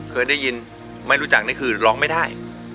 เคยได้ยินไม่รู้จักนี่คือร้องไม่ได้